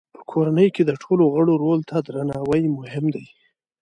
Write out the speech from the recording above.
په کورنۍ کې د ټولو غړو رول ته درناوی مهم دی.